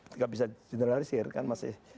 tidak bisa generalisir kan masih